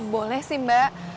boleh sih mbak